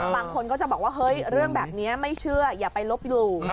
บางคนก็จะบอกว่าเฮ้ยเรื่องแบบนี้ไม่เชื่ออย่าไปลบหลู่